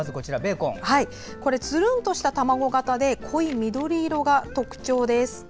つるんとした卵形で濃い緑色が特徴です。